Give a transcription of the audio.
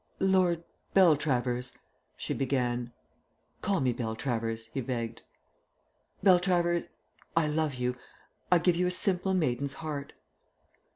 "Lord Beltravers," she began "Call me Beltravers," he begged. "Beltravers, I love you. I give you a simple maiden's heart."